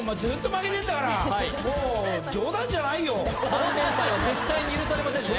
３連敗は絶対に許されませんね